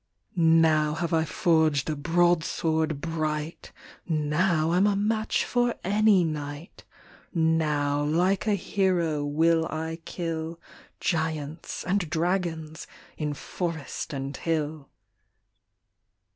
" Now have I forged a broadsword bright. Now Fm a match for any knight. " Now, like a hero, will I kill Giants and dragons in forest and hill."